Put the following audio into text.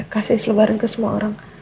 kasih selebaran ke semua orang